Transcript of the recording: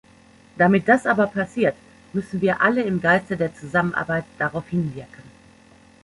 Damit das aber passiert, müssen wir alle im Geiste der Zusammenarbeit darauf hinwirken.